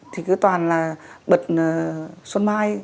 thì cứ toàn là bật xuân mai